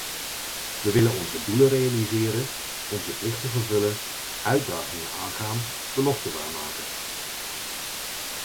We willen onze doelen realiseren, onze plichten vervullen, uitdagingen aangaan, beloften waarmaken.